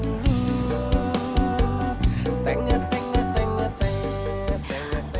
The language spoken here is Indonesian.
tengah tengah tengah tengah tengah tengah tengah